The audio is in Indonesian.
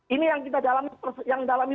ini yang kita dalami yang dalami